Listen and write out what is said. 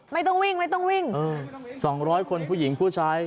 ไม่ต้องวิ่งไม่ต้องวิ่งเออสองร้อยคนผู้หญิงผู้ชาย